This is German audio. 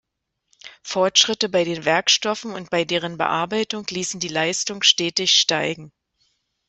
Fortschritte bei den Werkstoffen und bei deren Bearbeitung ließen die Leistung stetig steigen.